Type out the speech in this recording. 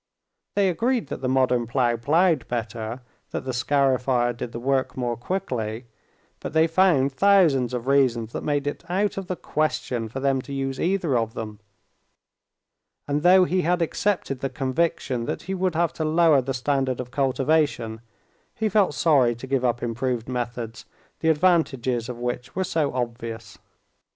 They agreed that the modern plough ploughed better, that the scarifier did the work more quickly, but they found thousands of reasons that made it out of the question for them to use either of them; and though he had accepted the conviction that he would have to lower the standard of cultivation, he felt sorry to give up improved methods, the advantages of which were so obvious.